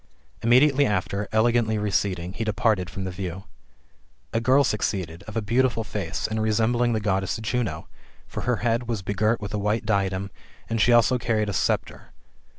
Imme diately after, elegantly receding, he departed from the view. A girl succeedal, of a beautiful face, and resembling the Goddess Juno : for her head was begirt with a white diadem, and she also carried a sceptre.